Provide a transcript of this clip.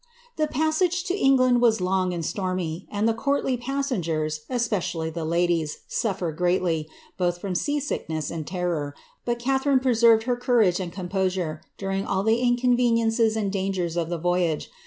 passage to England was long and stormy, and the courtly pas S especially the ladies, sufilered greatly, both from sea sickness and but Catharine preserved her courage and composure during all the eniences and dangers of the voyage.